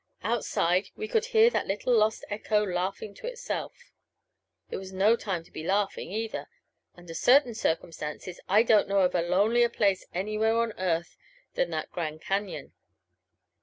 Outside we could hear that little lost echo laughing to itself. It was no time to be laughing either. Under certain circumstances I don't know of a lonelier place anywhere on earth than that Grand Cañon.